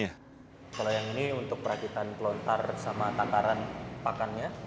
yang ini untuk perakitan pelontar sama tangkaran pakannya